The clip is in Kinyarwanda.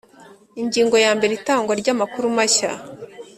Ingingo ya mbere Itangwa ry amakuru mashya